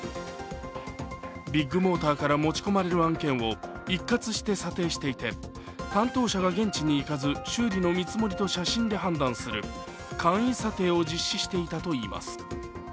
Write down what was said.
ビッグモーターから持ち込まれる案件を一括して査定していて、担当者が現地に行かず、修理の見積もりと写真で判断する簡易査定を実施していたといいます。